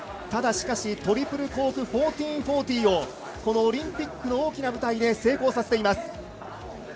ただ、しかしトリプルコーク１４４０をこのオリンピックの大きな舞台で成功させています。